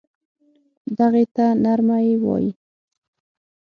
دغې ی ته نرمه یې وايي.